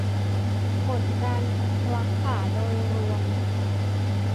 ผลการรักษาโดยรวม